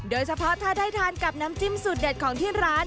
โดยเฉพาะถ้าได้ทานกับน้ำจิ้มสูตรเด็ดของที่ร้าน